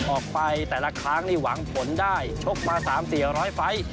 ออกไปแต่ละครั้งนี่หวังผลได้ชกมาสามเสียร้อยไฟ